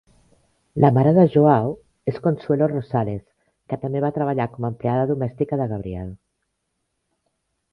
La mare de Joao és Consuelo Rosales, que també va treballar com a empleada domèstica de Gabriel.